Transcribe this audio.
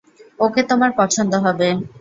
ওকে তোমার পছন্দ হবে।